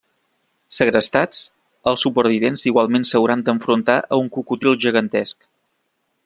Segrestats, els supervivents igualment s'hauran d'enfrontar a un cocodril gegantesc.